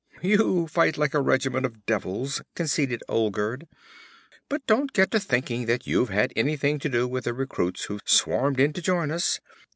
'You fight like a regiment of devils,' conceded Olgerd. 'But don't get to thinking that you've had anything to do with the recruits who've swarmed in to join us.